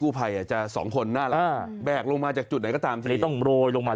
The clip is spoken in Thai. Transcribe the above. กู้ภัยจะสองคนน่าแบกลงมาจากจุดไหนก็ตามที่ต้องโรยลงมา